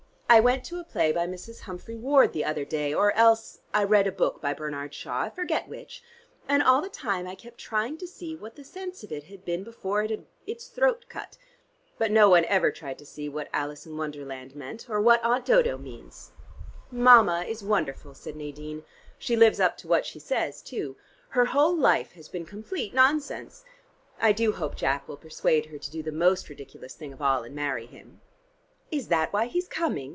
"I went to a play by Mrs. Humphry Ward the other day, or else I read a book by Bernard Shaw, I forget which, and all the time I kept trying to see what the sense of it had been before it had its throat cut. But no one ever tried to see what Alice in Wonderland meant, or what Aunt Dodo means." "Mama is wonderful," said Nadine. "She lives up to what she says, too. Her whole life has been complete nonsense. I do hope Jack will persuade her to do the most ridiculous thing of all, and marry him." "Is that why he is coming?"